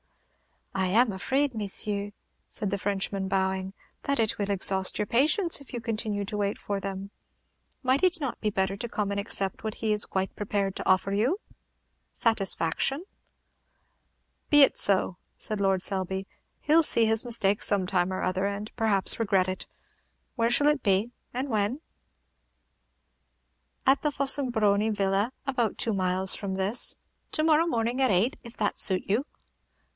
"I am afraid, messieurs," said the Frenchman, bowing, "that it will exhaust your patience if you continue to wait for them. Might it not be better to come and accept what he is quite prepared to offer you, satisfaction?" "Be it so," said Lord Selby: "he 'll see his mistake some time or other, and perhaps regret it. Where shall it be? and when?" "At the Fossombroni Villa, about two miles from this. To morrow morning, at eight, if that suit you."